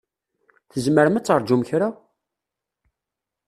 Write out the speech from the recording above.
Tzemrem ad terǧum kra?